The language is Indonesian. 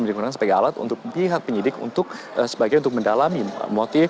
digunakan sebagai alat untuk pihak penyidik untuk sebagai untuk mendalami motif